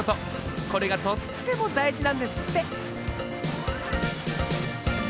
これがとってもだいじなんですって！